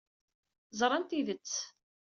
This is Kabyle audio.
Ẓṛan tidett.